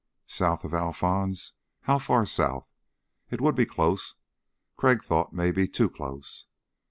South of Alphons? How far south? It would be close, Crag thought Maybe too close.